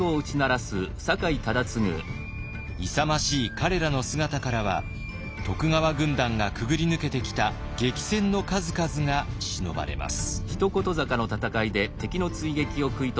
勇ましい彼らの姿からは徳川軍団がくぐり抜けてきた激戦の数々がしのばれます。